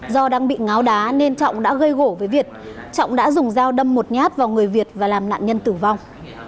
do đang bị ngáo đá nên trọng đã gây gỗ với việt trọng đã dùng dao đâm một nhát vào người việt và làm nạn nhân tử vong